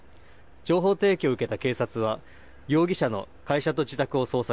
情報提供を受けた警察は容疑者の会社と自宅を捜索。